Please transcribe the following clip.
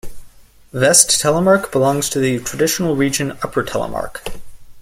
Vest-Telemark belongs to the traditional region Upper Telemark.